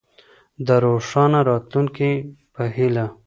د روښانه راتلونکي په هيله.